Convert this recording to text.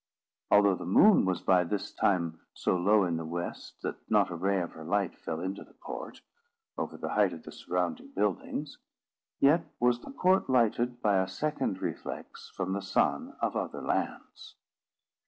Although the moon was by this time so low in the west, that not a ray of her light fell into the court, over the height of the surrounding buildings; yet was the court lighted by a second reflex from the sun of other lands.